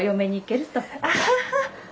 アハハ！